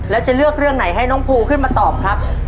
แล้วจะเลือกเรื่องไหนให้น้องภูขึ้นมาตอบครับ